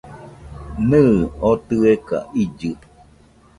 Nɨɨ, oo tɨeka illɨ .